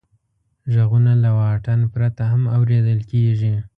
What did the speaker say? غږونه له واټن پرته هم اورېدل کېږي.